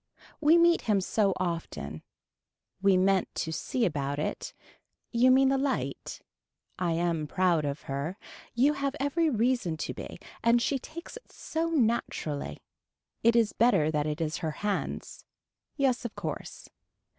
We meet him so often. We meant to see about it. You mean the light. I am proud of her. You have every reason to be and she takes it so naturally. It is better that it is her hands. Yes of course.